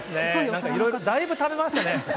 なんかいろいろ、だいぶ食べましたね。